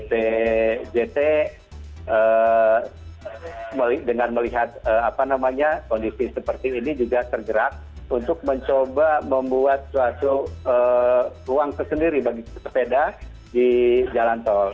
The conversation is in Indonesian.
pt dengan melihat kondisi seperti ini juga tergerak untuk mencoba membuat suatu ruang tersendiri bagi pesepeda di jalan tol